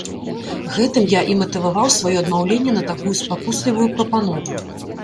Гэтым я і матываваў сваё адмаўленне на такую спакуслівую прапанову.